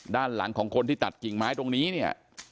ด้านหลังของคนที่ตัดกิ่งไม้ตรงนี้เนี่ย